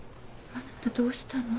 あなたどうしたの？